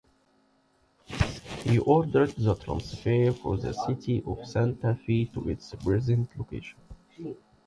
He ordered the transfer of the city of Santa Fe to its present location.